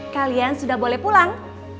kalian sudah boleh pulang